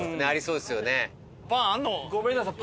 ごめんなさい。